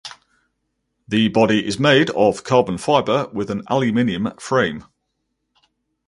The body is made of carbon fiber with an aluminum frame.